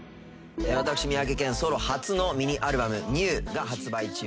私三宅健ソロ初のミニアルバム『ＮＥＷＷＷ』が発売中です。